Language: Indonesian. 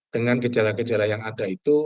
dengan gejala gejala yang ada itu